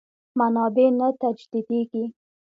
منابع نه تجدیدېږي.